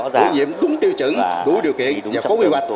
bổ nhiệm đúng tiêu chuẩn đủ điều kiện và có quy hoạch